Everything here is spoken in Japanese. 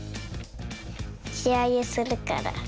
しあげするから。